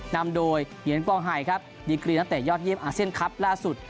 นำโดยเหียนกองไฮครับดีกรีนักเตะยอดเยี่ยมอาเซียนคลับล่าสุด